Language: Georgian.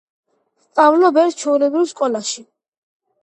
ვსწავლობ ერთ ჩვეულებრივ სკოლაში